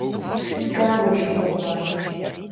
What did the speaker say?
Сыт дауэ жыхуэпӏэр?